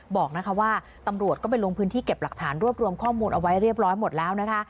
บอกนะคะว่าตำรวจก็ไปลงพื้นที่เก็บหลักฐานรวบรวมข้อมูลเอาไว้เรียบร้อยหมดแล้วนะคะ